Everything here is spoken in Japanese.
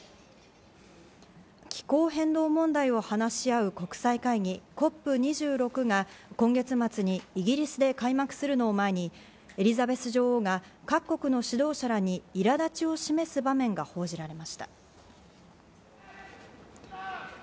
気候変動問題を話し合う国際会議ＣＯＰ２６が、今月末にイギリスで開幕するのを前にエリザベス女王が各国の指導者らに苛立ちを示す場面が報じられました。